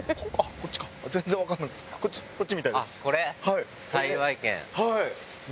こっちみたいです。